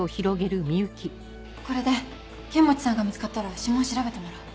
これで剣持さんが見つかったら指紋調べてもらおう。